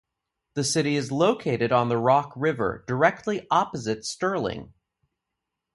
The city is located on the Rock River, directly opposite Sterling.